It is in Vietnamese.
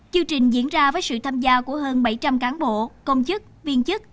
chương trình diễn ra với sự tham gia của hơn bảy trăm linh cán bộ công chức viên chức